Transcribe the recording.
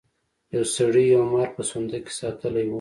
یو سړي یو مار په صندوق کې ساتلی و.